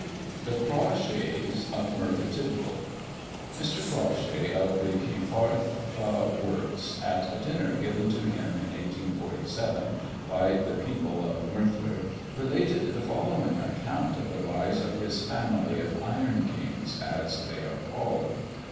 THE CRAWSHAYS OF MERTHYR TYDVIL. Mr. Crawshay, of the Cyfarthfa Works, at a dinner given to him in 1847, by the people of Merthyr, related the following account of the rise of his family of "Iron Kings," as they are called.